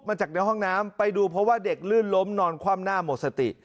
จากในห้องน้ำไปดูเพราะว่าเด็กลื่นล้มนอนคว่ำหน้าหมดสติ